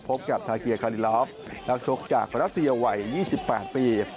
พบกับทาเกียร์คาลิลอฟนักชกจากมารัสเซียวัย๒๘ปี